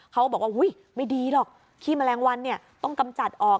เขาบอกว่าอุ๊ยไม่ดีหรอกขี้แมลงวันเนี่ยต้องกำจัดออก